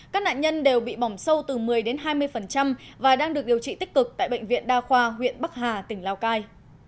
các nạn nhân đều bị bỏng sâu từ một mươi đến hai mươi và đang được điều trị tích cực tại bệnh viện đa khoa huyện bắc hà tỉnh lào cai